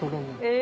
え